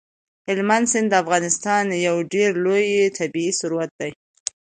هلمند سیند د افغانستان یو ډېر لوی طبعي ثروت دی.